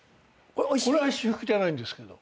これは私服じゃないんですけど。